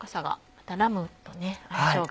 またラムとね相性が。